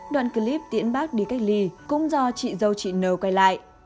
đoạn clip tiễn bác đi cách ly cũng do chị dâu chị nờ quay lại